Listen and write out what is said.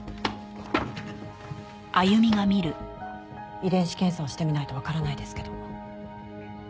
遺伝子検査をしてみないとわからないですけど。